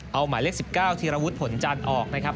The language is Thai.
เอาหมายเลข๑๙ธีรวุฒิผลจันทร์ออกนะครับ